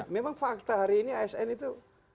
memang fakta hari ini asn itu